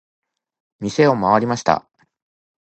店を回りました。